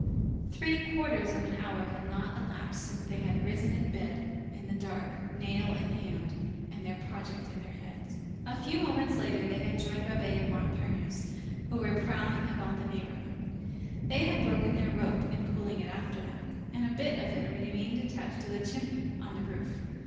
Three quarters of an hour had not elapsed since they had risen in bed in the dark, nail in hand, and their project in their heads. A few moments later they had joined Babet and Montparnasse, who were prowling about the neighborhood. They had broken their rope in pulling it after them, and a bit of it remained attached to the chimney on the roof.